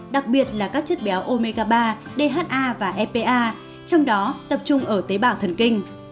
đặc biệt là các chất béo omega ba dha và epa trong đó tập trung ở tế bào thần kinh